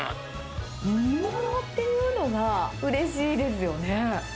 煮物っていうのが、うれしいですよね。